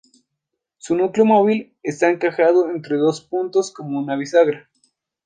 Su núcleo móvil está encajado entre dos puntos como una bisagra.